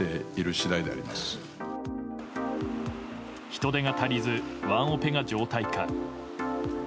人手が足りずワンオペが常態化。